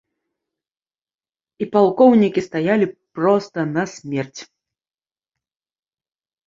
І палкоўнікі стаялі проста на смерць!